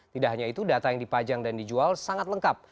tidak hanya itu data yang dipajang dan dijual sangat lengkap